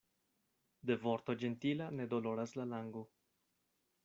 De vorto ĝentila ne doloras la lango.